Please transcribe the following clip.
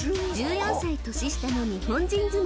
［１４歳年下の日本人妻］